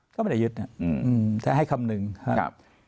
ก็ไม่ได้ยึดแต่ให้คำนึงครับ